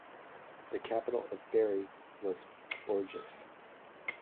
The capital of Berry was Bourges.